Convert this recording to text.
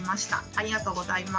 ありがとうございます。